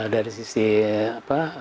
dari sisi apa